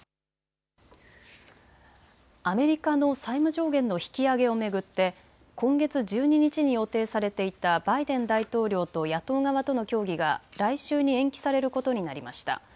アメリカの債務上限の引き上げを巡って今月１２日に予定されていたバイデン大統領と野党側との協議が来週に延期されることになりました。